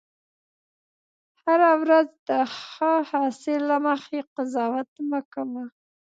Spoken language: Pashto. هره ورځ د هغه حاصل له مخې قضاوت مه کوه.